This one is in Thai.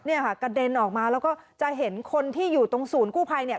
เนี่ยค่ะกระเด็นออกมาแล้วก็จะเห็นคนที่อยู่ตรงศูนย์กู้ภัยเนี่ย